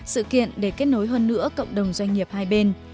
sự kiện để kết nối hơn nữa cộng đồng doanh nghiệp hai bên